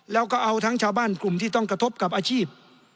แล้วก็เอาทั้งชาวบ้านกลุ่มที่ต้องกระทบกับอาชีพ